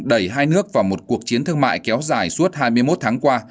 đẩy hai nước vào một cuộc chiến thương mại kéo dài suốt hai mươi một tháng qua